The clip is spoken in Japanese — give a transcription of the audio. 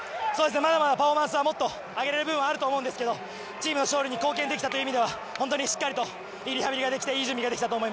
まだまだパフォーマンスはもっと上げられる部分はあると思うんですけどチームの勝利に貢献できたという意味では本当にしっかりといいリハビリができていい準備ができたと思います。